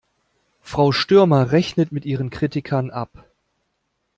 Frau Stürmer rechnet mit ihren Kritikern ab.